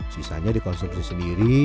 sisanya dikonsumsi sendiri